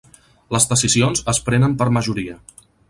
Les decisions es prenen per majoria.